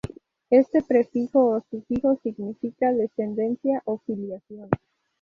Este prefijo o sufijo, significa descendencia o filiación.